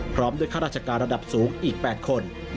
พร้อมด้วยข้าราชการระดับสูงอีก๘คน